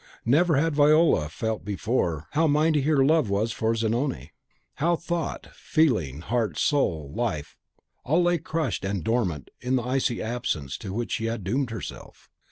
Never had Viola felt before how mighty was her love for Zanoni; how thought, feeling, heart, soul, life, all lay crushed and dormant in the icy absence to which she had doomed herself!